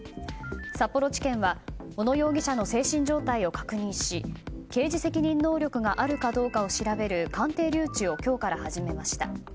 札幌地検は小野容疑者の精神状態を確認し刑事責任能力があるかどうかを調べる鑑定留置を今日から始めました。